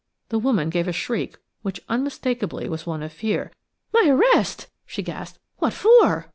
The woman gave a shriek which unmistakably was one of fear. "My arrest?" she gasped. "What for?"